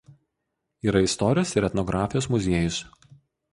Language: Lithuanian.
Yra istorijos ir etnografijos muziejus.